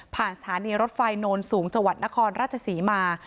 ผ่านสถานีรถไฟโนรสูงจนครรภสีมา